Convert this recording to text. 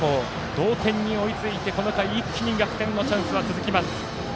同点に追いついてこの回一気に逆転のチャンスは続きます。